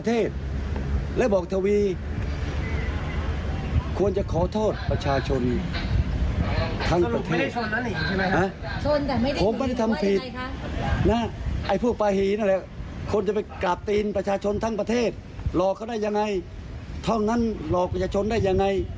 เท่านั้นหลอกจะชนได้ยังไง